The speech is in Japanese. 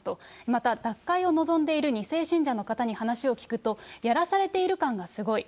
また、脱会を望んでいる２世信者の方に話を聞くと、やらされている感がすごい。